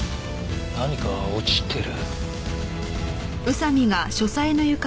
何か落ちてる。